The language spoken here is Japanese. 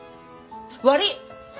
悪い！